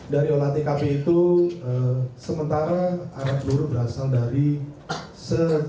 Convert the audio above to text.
dari olah tkp itu sementara anak peluru berasal dari segi